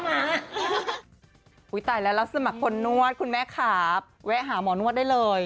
มาค้นนวดคุณแม่ขาบแวะหาหมอนวดได้เลย